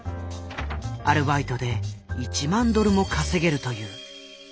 アルバイトで１万ドルも稼げるという。